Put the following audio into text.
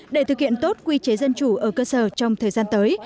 để thực hiện tốt quy chế dân chủ ở cơ sở trong thời gian tới